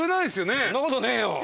そんなことねえよ。